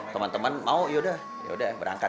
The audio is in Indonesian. teman teman mau yaudah yaudah berangkat